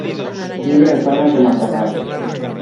Vive en zonas de matorral.